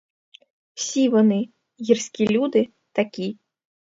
Всі вони, гірські люди, такі.